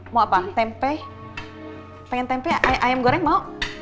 mau apa tempe pengen tempe ayam goreng mau